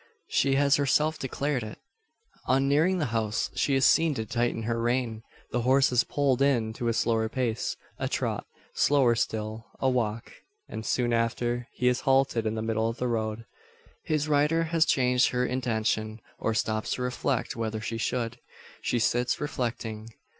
She has herself declared it. On nearing the house, she is seen to tighten her rein. The horse is pulled in to a slower pace a trot; slower still a walk; and, soon after, he is halted in the middle of the road. His rider has changed her intention; or stops to reflect whether she should. She sits reflecting.